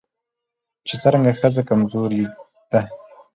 چې څرنګه ښځه کمزورې ده